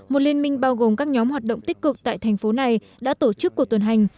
một liên minh bao gồm các nhóm hoạt động tích cực tại thành phố này đã tổ chức cuộc tuần hành